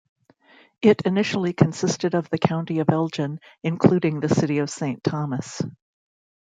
It initially consisted of the county of Elgin, including the city of Saint Thomas.